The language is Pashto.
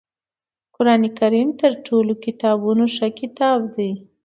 قرآنکریم تر ټولو کتابونو ښه کتاب دی